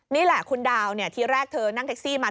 นี่แหละคุณดาวทีแรกเธอนั่งแท็กซี่มา